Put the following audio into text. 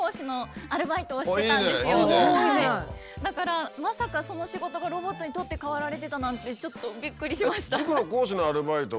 だからまさかその仕事がロボットに取って代わられてたなんてちょっとびっくりしました。